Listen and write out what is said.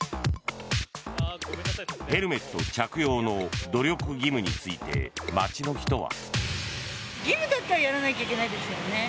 ヘルメット着用の努力義務について街の人は。